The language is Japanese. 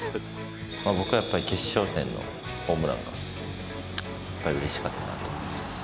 僕はやっぱり決勝戦のホームランが、やっぱりうれしかったなと思います。